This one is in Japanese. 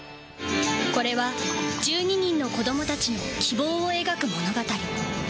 これは１２人の子供たちの希望を描く物語。